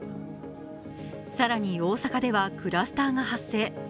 更に大阪ではクラスターが発生。